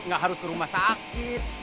nggak harus ke rumah sakit